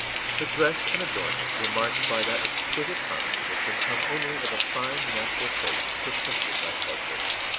Her dress and adornment were marked by that exquisite harmony that can come only of a fine natural taste perfected by culture.